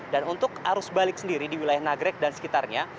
dan untuk arus balik sendiri di wilayah nagrek dan sekitarnya